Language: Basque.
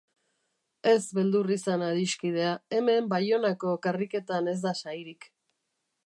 Ez beldur izan adixkidea, hemen Baionako karriketan ez da sairik.